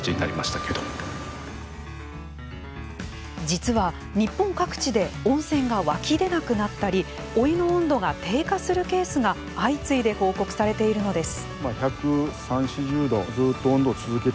実は、日本各地で温泉が湧き出なくなったりお湯の温度が低下するケースが相次いで報告されているのです。